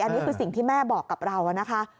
อันนี้คือสิ่งที่แม่บอกกับเรานะคะ